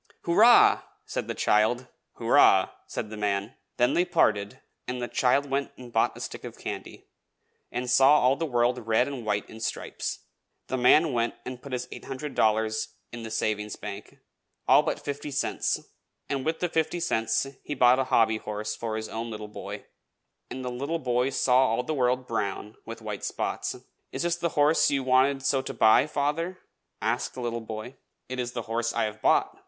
"Hurrah!" said the child. "Hurrah!" said the man. Then they parted, and the child went and bought a stick of candy, and saw all the world red and white in stripes. The man went and put his eight hundred dollars in the savings bank, all but fifty cents, and with the fifty cents he bought a hobby horse for his own little boy, and the little boy saw all the world brown, with white spots. "Is this the horse you wanted so to buy, father?" asked the little boy. "It is the horse I have bought!"